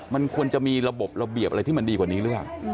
มันควรจะมีระบบระเบียบอะไรที่มันดีกว่านี้หรือเปล่า